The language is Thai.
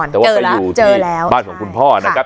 แต่ว่าไปอยู่ที่บ้านของคุณพ่อนะครับ